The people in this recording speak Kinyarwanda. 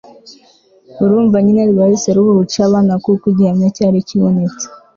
urumva nyine rwahise ruba urucabana kuko igihamya cyari kibonetse